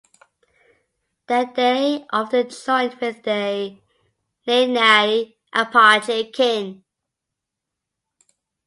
There they often joined with their "Nednai" Apache kin.